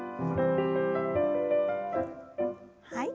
はい。